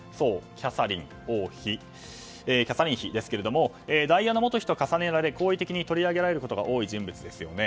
キャサリン妃ですがダイアナ元妃と重ねられ好意的に取り上げられることが多い人物ですね。